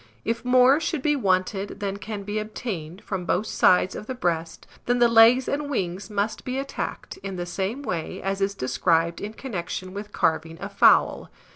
If more should be wanted than can be obtained from both sides of the breast, then the legs and wings must be attacked, in the same way as is described in connection with carving a fowl.